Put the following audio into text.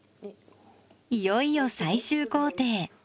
いよいよ最終工程。